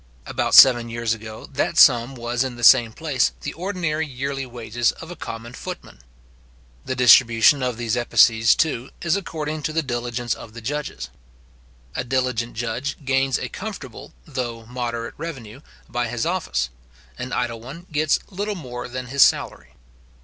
About seven years ago, that sum was in the same place the ordinary yearly wages of a common footman. The distribution of these epices, too, is according to the diligence of the judges. A diligent judge gains a comfortable, though moderate revenue, by his office; an idle one gets little more than his salary.